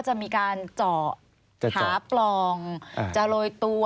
หาปลองจะโรยตัว